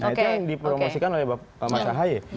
itu yang dipromosikan oleh pak mas syahaye